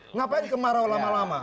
kenapa yang kemarau lama lama